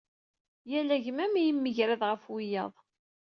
Yal agmam yemgerrad ɣef wiyaḍ.